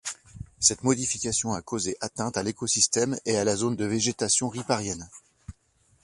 Cette modification a causé atteinte à l’écosystème et à la zone de végétation riparienne.